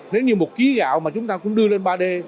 nếu như một ký gạo mà chúng ta cũng đưa lên ba d